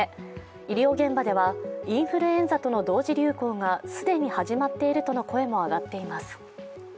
医療現場ではインフルエンザとの同時流行が既に始まっているとの声も上がっています。